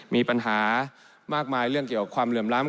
มีปัญหามากมายเรื่องเกี่ยวความเหลื่อมล้ำ